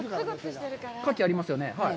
カキありますよね。